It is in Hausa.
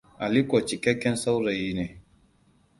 Aliko cikakken saurayi ne.